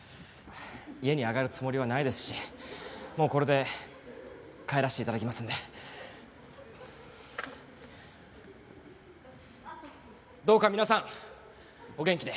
家に上がるつもりはないですしもうこれで帰らせて頂きますので。どうか皆さんお元気で。